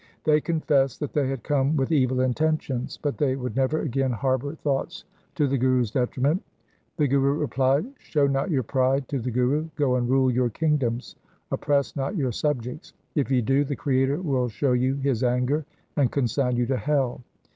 They confessed that they had come with evil inten tions, but they would never again harbour thoughts 288 THE SIKH RELIGION to the Guru's detriment. The Guru replied, ' Show not your pride to the Guru. Go and rule your king doms, oppress not your subjects. If ye do, the Creator will show you His anger, and consign you to hell.